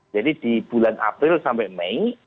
jadi di bulan april sampai mei